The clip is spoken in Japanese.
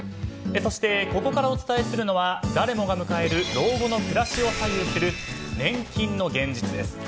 そして、ここからお伝えするのは誰もが迎える老後の暮らしを左右する年金の現実です。